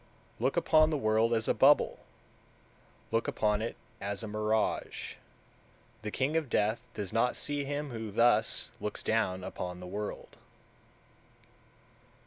170. Look upon the world as a bubble, look upon it as a mirage: the king of death does not see him who thus looks down upon the world.